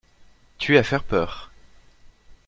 Tu es à faire peur!